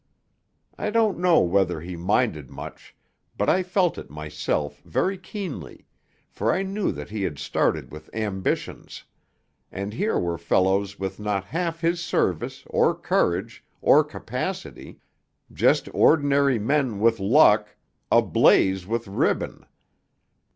I don't know whether he minded much, but I felt it myself very keenly; for I knew that he had started with ambitions; and here were fellows with not half his service, or courage, or capacity, just ordinary men with luck, ablaze with ribbon....